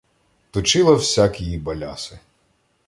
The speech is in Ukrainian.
Точила всякії баляси